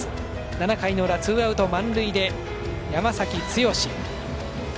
７回の裏、ツーアウト満塁で山崎剛。